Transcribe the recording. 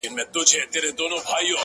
کلونه کیږي بې ځوابه یې بې سواله یې ـ